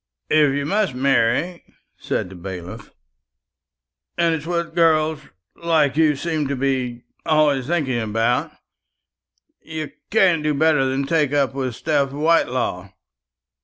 "If you must marry," said the bailiff, "and it's what girls like you seem to be always thinking about, you can't do better than take up with Steph Whitelaw.